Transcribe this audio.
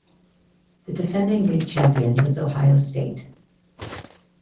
The defending league champion was Ohio State.